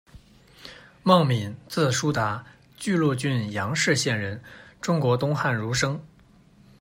孟敏，字叔达，钜鹿郡杨氏县人，中国东汉儒生。